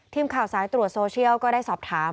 ทีมข่าวสายตรวจโซเชียลก็ได้สอบถาม